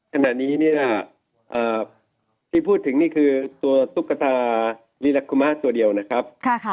ขณะนี้ที่พูดถึงนี่คือตุ๊กตาลีลักษณ์คุมะตัวเดียวนะครับ